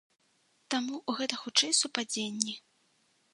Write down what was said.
Таму гэта хутчэй супадзенні.